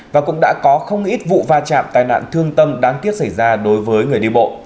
và cũng đã có không ít vụ va chạm tai nạn thương tâm đáng tiếc xảy ra đối với người đi bộ